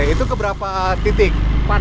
itu ke berapa titik